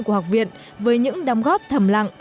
của học viện với những đóng góp thầm lặng